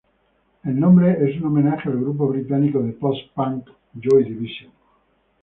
El nombre es un homenaje al grupo británico de post-punk Joy Division.